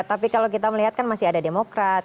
tapi kalau kita melihat kan masih ada demokrat